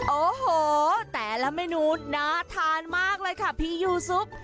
โอ้โหแต่ละเมนูน่าทานมากเลยค่ะพี่ยูซุป